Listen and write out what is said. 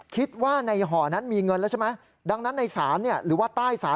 คิดว่าในห่อนั้นมีเงินแล้วใช่ไหมดังนั้นในศาลเนี่ยหรือว่าใต้ศาล